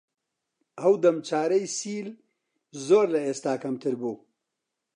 ئەو دەم چارەی سیل زۆر لە ئێستا کەمتر بوو